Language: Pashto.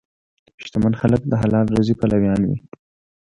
شتمن خلک د حلال روزي پلویان وي.